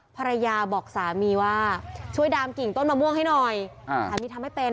ภรรยาบอกสามีว่าช่วยดามกิ่งต้นมะม่วงให้หน่อยสามีทำให้เป็น